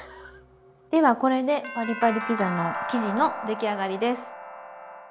ではこれでパリパリピザの生地の出来上がりです。